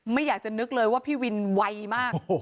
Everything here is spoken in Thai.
ไม่อยากจะนึกเลยว่าพี่วินไวมาก